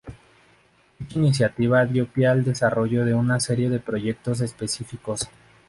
Dicha iniciativa dio pie al desarrollo de una serie de proyectos específicos.